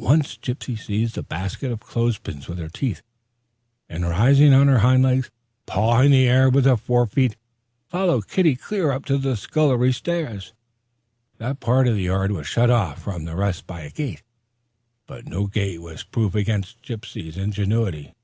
Once Gypsy seized the basket of clothespins with her teeth, and rising on her hind legs, pawing the air with her fore feet followed Kitty clear up to the scullery steps. That part of the yard was shut off from the rest by a gate; but no gate was proof against Gypsy's ingenuity.